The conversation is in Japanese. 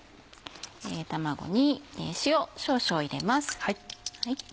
卵に塩少々入れます。